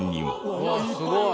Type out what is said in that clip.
うわっすごい。